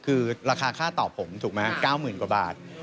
คือราคาค่าตอบผมถูกไหมครับ๙๐๐กว่าบาท